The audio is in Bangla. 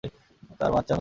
তার বাচ্চা হয়েছে।